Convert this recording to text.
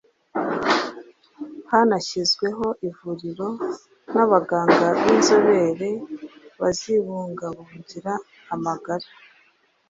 hanashyizweho ivuriro n’abaganga b’inzobere bazibungabungira amagara.